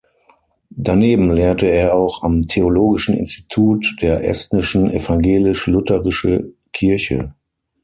Daneben lehrte er auch am Theologischen Institut der Estnischen Evangelisch-Lutherische Kirche.